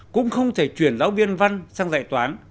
cũng không thể chuyển giáo viên văn sang dạy toán